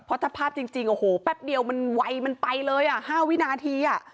เพราะถ้าภาพจริงโอ้โหแป๊บเดียวมันไวมันไปเลยอ่ะ๕วินาที